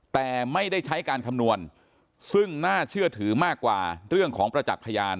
แต่ไม่ได้ใช้การคำนวณซึ่งน่าเชื่อถือมากกว่าเรื่องของประจักษ์พยาน